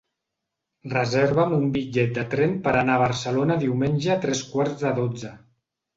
Reserva'm un bitllet de tren per anar a Barcelona diumenge a tres quarts de dotze.